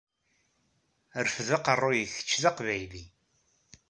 Rfed aqeṛṛu-yik kečč d aqbayli!